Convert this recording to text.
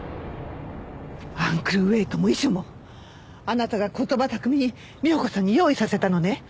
アンクルウェートも遺書もあなたが言葉巧みに美穂子さんに用意させたのね。